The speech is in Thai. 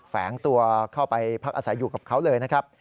แฝงตัวเข้าไปพักอาศัยอยู่กับเขาเลยนะครับ